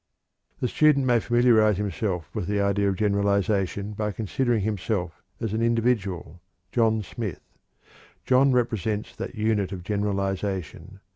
The student may familiarize himself with the idea of generalization by considering himself as an individual, John Smith. John represents that unit of generalization.